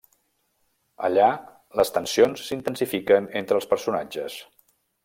Allà, les tensions s'intensifiquen entre els personatges.